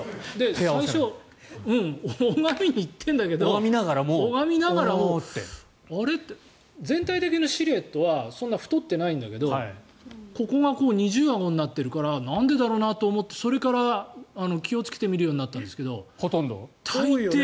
最初拝みに行ってるんだけど拝みながら、あれ？って全体的なシルエットはそんな太ってないんだけどここが二重あごになっているからなんでだろうなと思ってそこから気をつけて見るようになったんですけど大抵。